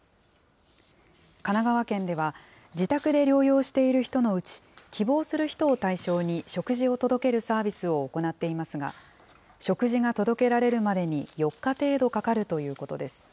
神奈川県では、自宅で療養している人のうち、希望する人を対象に食事を届けるサービスを行っていますが、食事が届けられるまでに４日程度かかるということです。